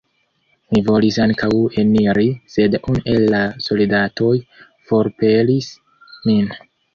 Mi volis ankaŭ eniri, sed unu el la soldatoj forpelis min.